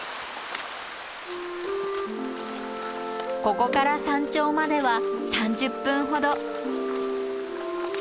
ここから山頂までは３０分ほど。